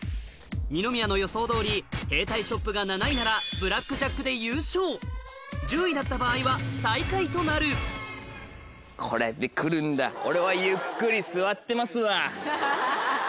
二宮の予想どおり携帯ショップが７位ならブラックジャックで優勝１０位だった場合は最下位となるこれで来るんだ俺は。